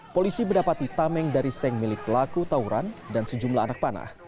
polisi mendapati tameng dari seng milik pelaku tauran dan sejumlah anak panah